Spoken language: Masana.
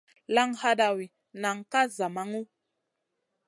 Laŋ hadawi, nan ka zamaŋu.